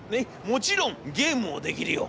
もちろんゲームもできるよ』。